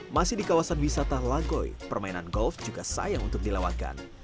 masih di kawasan wisata lagoy permainan golf juga sayang untuk dilewatkan